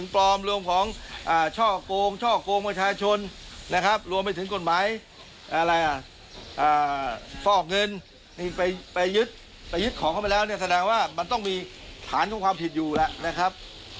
ฟอกเงินไปยึดของเข้าไปแล้วแสดงว่ามันต้องมีฐานของความผิดอยู่แล้วนะครับ